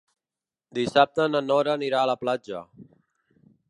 Dissabte na Nora anirà a la platja.